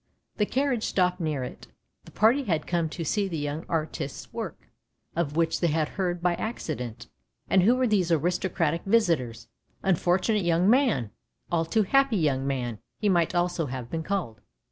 The carriage stopped near it. The party had come to see the young artist's work, of which they had heard by accident. And who were these aristocratic visitors? Unfortunate young man! All too happy young man, he might also have been called.